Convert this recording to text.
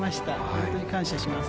本当に感謝します。